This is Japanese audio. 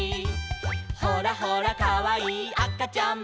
「ほらほらかわいいあかちゃんも」